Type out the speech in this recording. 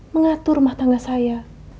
mengatur rumah tangga saya